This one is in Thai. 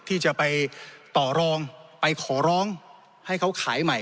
ที่จะไปต่อรองไปขอร้องให้เขาขายใหม่